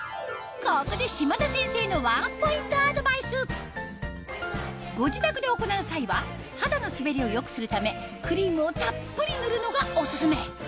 ここで島田先生のワンポイントアドバイスご自宅で行う際は肌の滑りを良くするためクリームをたっぷり塗るのがオススメ